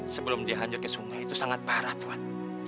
sebelum dia hancur ke sungai itu sangat parah tuhan